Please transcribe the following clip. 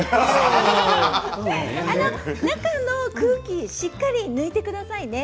中の空気しっかり抜いてくださいね。